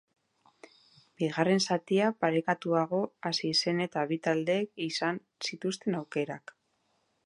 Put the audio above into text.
Bigarren zatia parekatuago hasi zen eta bi taldeek izan zituzten aukerak.